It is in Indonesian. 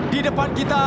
di depan kita